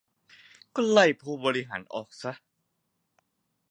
ก็ไล่ผู้บริหารออก